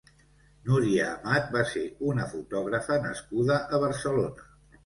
Núria Amat va ser una fotògrafa nascuda a Barcelona.